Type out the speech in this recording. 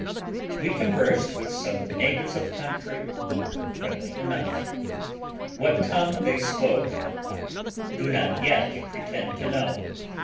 We conversed with some of the natives of the country, who were friendly enough. What tongue they spoke I do not yet pretend to know.